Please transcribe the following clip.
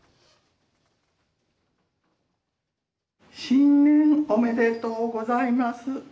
新年おめでとうございます。